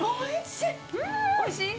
おいしい？